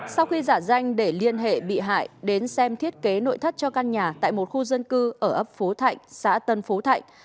sau khi giả danh để liên hệ bị hại đến xem thiết kế nội thất cho căn nhà tại một khu dân cư ở ấp phố thạnh xã tân phú thạnh